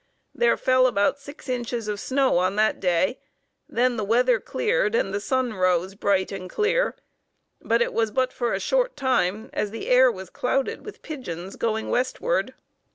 There fell about six inches of snow on that day, then the weather cleared and the sun rose bright and clear, but it was but for a short time, as the air was clouded with pigeons going westward.